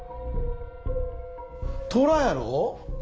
トラやろ。